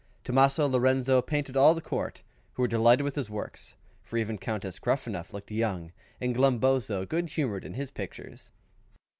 Tomazo Lorenzo painted all the Court, who were delighted with his work; for even Countess Gruffanuff looked young and Glumboso good humoured in his pictures.